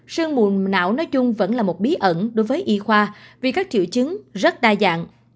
sương mù não nói chung vẫn là một bí ẩn đối với y khoa vì các triệu chứng rất đa dạng